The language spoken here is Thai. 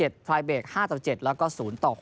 ๖ต่อ๗ไฟเวท๕ต่อ๗แล้วก็๐ต่อ๖